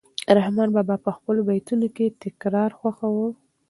رحمان بابا په خپلو بیتونو کې تکرار خوښاوه.